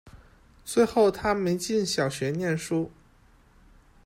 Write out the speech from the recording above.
最后她没进小学念书